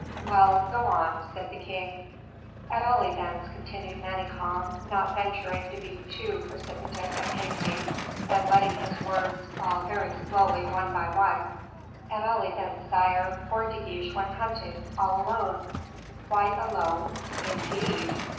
"Well, go on," said the king. "At all events," continued Manicamp, not venturing to be too precipitate and hasty, and letting his words fall very slowly one by one, "at all events, sire, poor De Guiche went hunting all alone." "Quite alone? indeed?